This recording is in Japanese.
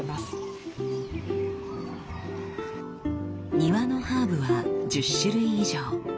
庭のハーブは１０種類以上。